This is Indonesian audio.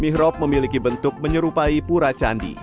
mihrop memiliki bentuk menyerupai pura candi